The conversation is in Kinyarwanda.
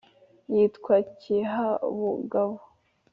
yitwa kihabugabo